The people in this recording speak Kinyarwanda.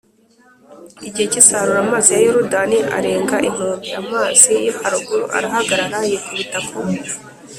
igihe cy isarura amazi ya Yorodani arenga inkombe amazi yo haruguru arahagarara yikubira ku